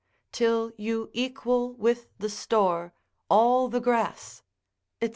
Till you equal with the store, all the grass, &c.